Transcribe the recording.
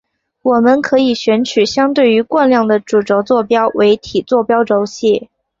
我们可以选取相对于惯量的主轴坐标为体坐标轴系。